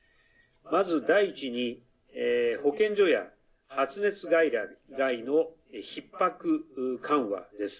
まず第１に保健所や発熱外来のひっ迫緩和です。